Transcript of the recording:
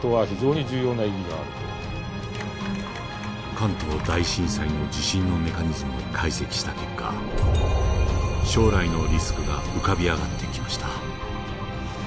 関東大震災の地震のメカニズムを解析した結果将来のリスクが浮かび上がってきました。